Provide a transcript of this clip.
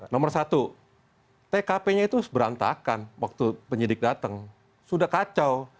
nomor satu tkp nya itu berantakan waktu penyidik datang sudah kacau